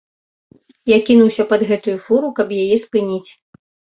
Я кінуўся пад гэтую фуру, каб яе спыніць.